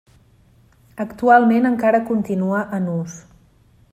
Actualment encara continua en ús.